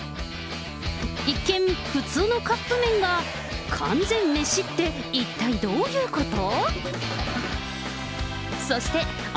一見普通のカップ麺が、完全メシって一体どういうこと？